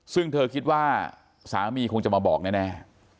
ซึ่งเธอคิดว่าสามีคงจะมาบอกแน่